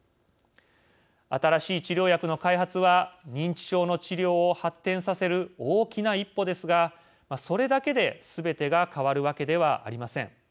新しい治療薬の開発は認知症の治療を発展させる大きな一歩ですがそれだけで、すべてが変わるわけではありません。